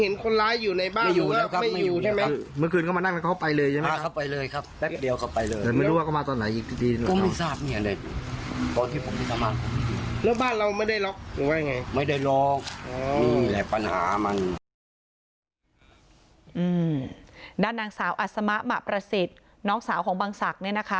ด้านนางสาวอัศมะหมะประสิทธิ์น้องสาวของบังศักดิ์เนี่ยนะคะ